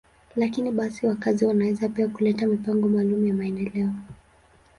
Lakini basi, wakazi wanaweza pia kuleta mipango maalum ya maendeleo.